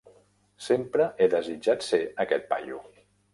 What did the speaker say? Sempre he desitjat ser aquest paio.